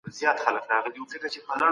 د مغولو زوال د ډېرو بدلونونو لامل سو.